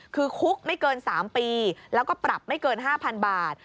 คือคุกไม่เกิน๓ปีแล้วก็ปรับไม่เกิน๕๐๐๐บาท